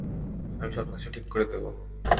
আমি সবকিছু ঠিক করে দেব।